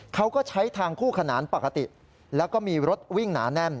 เขาก็ใช้ทางคู่ขนานปกติแล้วก็มีรถวิ่งหนาแน่น